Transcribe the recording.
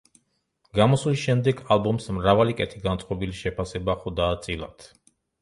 გამოსვლის შემდეგ ალბომს მრავალი კეთილგანწყობილი შეფასება ხვდა წილად.